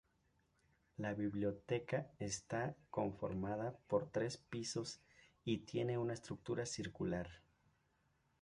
La Biblioteca está conformada por tres pisos y tiene una estructura circular.